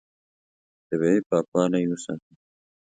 طبیعي پاکوالی وساتئ.